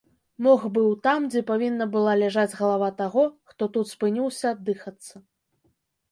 Мох быў там, дзе павінна была ляжаць галава таго, хто тут спыніўся аддыхацца.